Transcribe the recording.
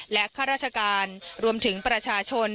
และข้าราชการรวมถึงประชาชน